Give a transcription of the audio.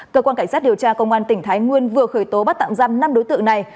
cơ quan cảnh sát điều tra công an tỉnh thái nguyên vừa khởi tố bắt tạm giam năm đối tượng này